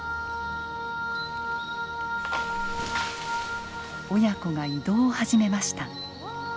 親子が移動を始めました。